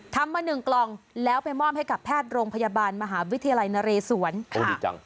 ทำมาหนึ่งกล่องแล้วไปมอบให้กับแพทย์โรงพยาบาลมหาวิทยาลัยนเรศวรดีจัง